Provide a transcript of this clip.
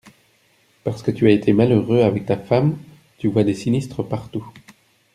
Parce que tu as été malheureux avec ta femme, tu vois des sinistres partout…